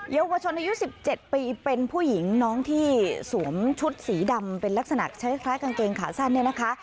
เยาวชนอายุ๑๗ปีเป็นผู้หญิงน้องที่สวมชุดสีดำเป็นลักษณะคล้ายกางเกงขาสั้นเนี่ยนะคะ